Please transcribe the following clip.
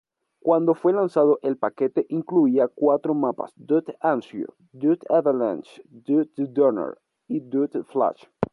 Cuando fue lanzado, el paquete incluía cuatro mapas: dod_anzio, dod_avalanche, dod_donner y dod_flash.